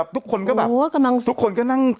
ทุกคนก็นั่ง